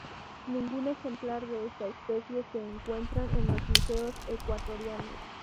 Ningún ejemplar de esta especie se encuentran en los museos ecuatorianos.